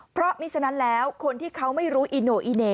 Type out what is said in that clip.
เพราะมิฉะนั้นแล้วคนที่เขาไม่รู้อีโน่อีเหน่